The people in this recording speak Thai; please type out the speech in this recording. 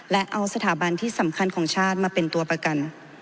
และเอาสถาบันที่สำคัญของชาติมาเป็นตัวประกัน